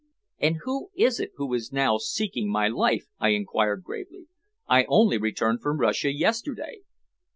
"And who is it who is now seeking my life?" I inquired gravely. "I only returned from Russia yesterday."